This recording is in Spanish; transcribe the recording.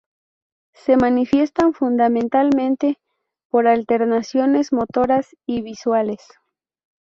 Se manifiestan fundamentalmente por alteraciones motoras y visuales.